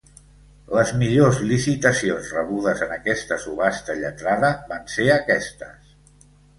Les millors licitacions rebudes en aquesta subhasta lletrada van ser aquestes.